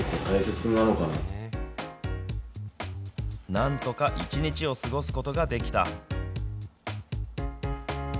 なんとか１日を過ごすことができた。